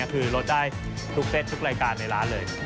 คือลดได้ทุกเซตทุกรายการในร้านเลย